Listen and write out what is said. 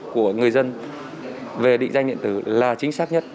của người dân về định danh điện tử là chính xác nhất